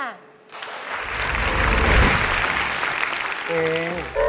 เจน